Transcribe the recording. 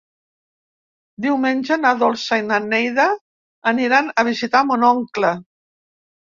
Diumenge na Dolça i na Neida aniran a visitar mon oncle.